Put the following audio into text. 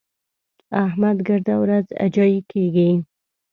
احمد ګرده ورځ اجايي کېږي.